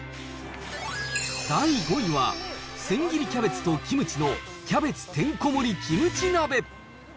第５位は、千切りキャベツとキムチのキャベツてんこ盛りキムチ鍋。